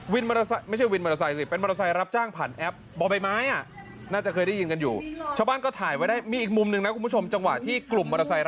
วินมอเตอร์ไซม์ไม่ใช่วินมอเตอร์ไซม์สิ